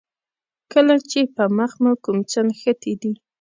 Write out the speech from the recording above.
کله چې په مخ مو کوم څه نښتي دي.